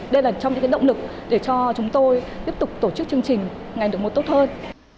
đây là trong những động lực để cho chúng tôi tiếp tục tổ chức chương trình ngày được một tốt hơn